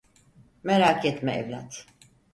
Merak etme evlat.